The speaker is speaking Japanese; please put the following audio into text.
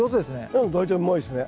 うん大体うまいですね。